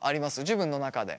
自分の中で。